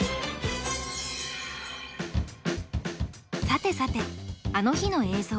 さてさてあの日の映像。